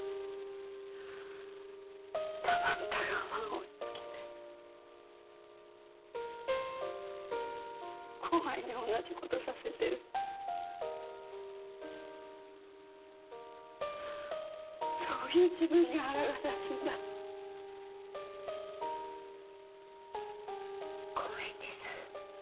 たまった我慢を押しつけて後輩に同じことさせてるそういう自分に腹が立つんだ高円寺さん